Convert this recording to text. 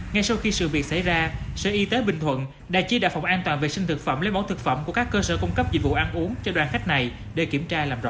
ngay sau khi sự việc xảy ra sở y tế bình thuận đã chia đạo phòng an toàn vệ sinh thực phẩm lấy bỏ thực phẩm của các cơ sở cung cấp dịch vụ ăn uống cho đoàn khách này để kiểm tra làm rõ